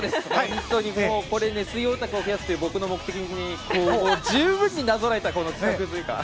本当にこれ水泳おたくを増やすという僕の目的に十分になぞらえた企画というか。